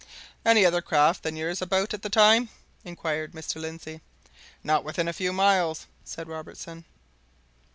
"Any other craft than yours about at the time?" inquired Mr. Lindsey. "Not within a few miles," said Robertson.